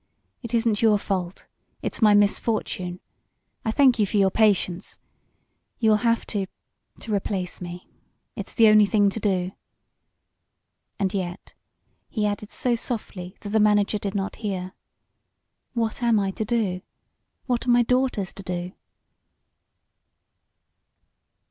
It isn't your fault it's my misfortune. I thank you for your patience. You'll have to to replace me. It's the only thing to do. And yet," he added so softly that the manager did not hear "what am I to do? What are my daughters to do?"